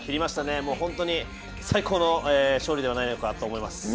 ホントに最高の勝利ではないかと思います。